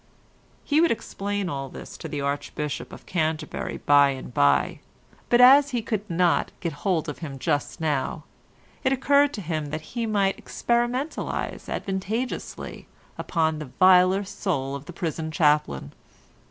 He would explain all this to the Archbishop of Canterbury by and by, but as he could not get hold of him just now, it occurred to him that he might experimentalise advantageously upon the viler soul of the prison chaplain.